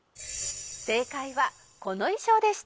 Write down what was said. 「正解はこの衣装でした」